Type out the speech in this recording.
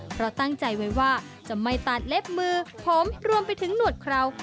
เพราะตั้งใจไว้ว่าจะไม่ตัดเล็บมือผมรวมไปถึงหนวดเครา